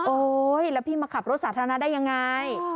โอ๊ยแล้วพี่มาขับรถสาธารณะได้ยังไง